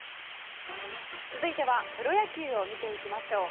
続いてはプロ野球を見ていきましょう。